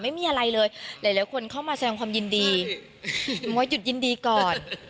ไม่มีอะไรเลยหลายคนเข้ามาแสดงความยินดีบอกว่าหยุดยินดีก่อน